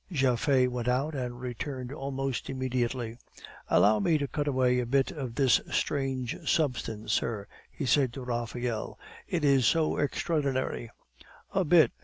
Japhet went out, and returned almost immediately. "Allow me to cut away a bit of this strange substance, sir," he said to Raphael; "it is so extraordinary " "A bit!"